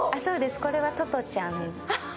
これはトトちゃんです。